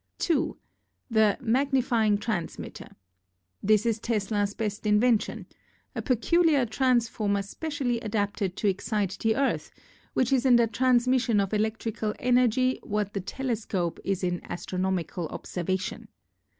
"2. The 'Magnifying Transmitter.' This is Tesla's best invention — a peculiar transformer spe cially adapted to excite the Earth, which is in the transmission of electrical energy what the tele scope is in astronomical observation.